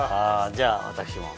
じゃあ私も。